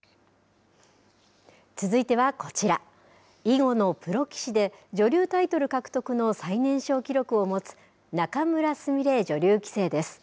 続いてはこちら、囲碁のプロ棋士で、女流タイトル獲得の最年少記録を持つ仲邑菫女流棋聖です。